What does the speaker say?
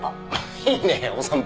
いいねえお散歩。